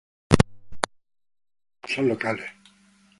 Los caminos son locales.